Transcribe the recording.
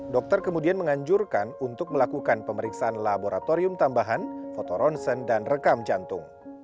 dokter kemudian menganjurkan untuk melakukan pemeriksaan laboratorium tambahan fotoronsen dan rekam jantung